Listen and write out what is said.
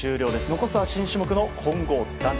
残すは新種目の混合団体。